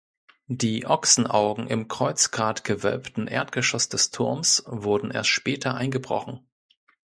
Die Ochsenaugen im kreuzgratgewölbten Erdgeschoss des Turms wurden erst später eingebrochen.